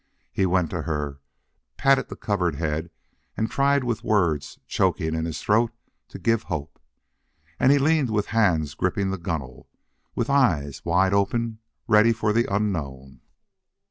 He went to her, patted the covered head, and tried with words choking in his throat to give hope. And he leaned with hands gripping the gunwale, with eyes wide open, ready for the unknown.